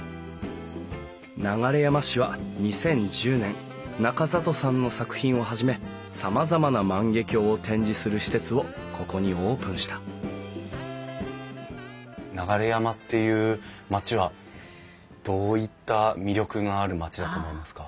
流山市は２０１０年中里さんの作品をはじめさまざまな万華鏡を展示する施設をここにオープンした流山っていう町はどういった魅力がある町だと思いますか？